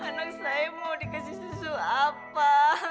anak saya mau dikasih susu apa